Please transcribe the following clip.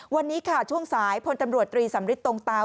วันนี้ช่วงสายพลตำรวจตรีสัมฤทธิ์ตรงเต้า